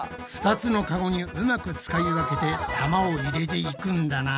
２つのカゴにうまく使い分けて玉を入れていくんだな。